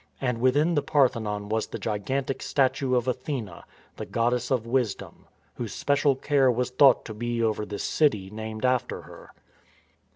^ And within the Parthenon was the gigantic statue of Athene, the goddess of Wisdom, whose special care was thought to be over this city named after her.